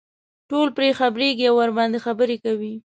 ټول پرې خبرېږي او ورباندې خبرې کوي.